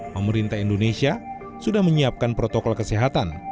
pemerintah indonesia sudah menyiapkan protokol kesehatan